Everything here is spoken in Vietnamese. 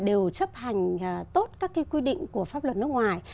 đều chấp hành tốt các quy định của pháp luật nước ngoài